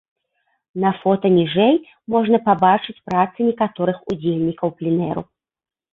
На фота ніжэй можна пабачыць працы некаторых удзельнікаў пленэру.